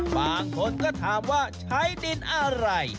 บางคนก็ถามว่าใช้ดินอะไร